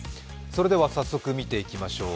それでは早速、見ていきましょう。